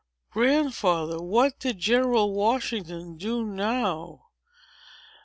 Grandfather, what did General Washington do now?"